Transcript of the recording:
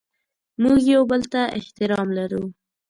موږ یو بل ته احترام لرو.